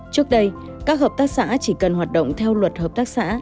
trước đây các hợp tác xã chỉ cần hoạt động theo luật hợp tác xã